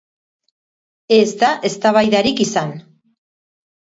Ez da eztabaidarik izan.